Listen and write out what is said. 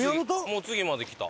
もう次まで来た。